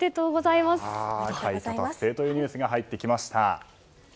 快挙達成というニュースが入ってきました。